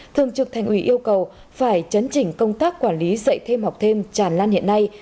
thường trực thành ủy yêu cầu phải chấn chỉnh công tác quản lý dạy thêm học thêm tràn lan hiện nay